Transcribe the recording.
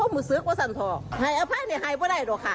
ว่าอุตสึกใครไม่ได้